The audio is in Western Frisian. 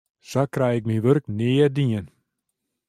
Sa krij ik myn wurk nea dien.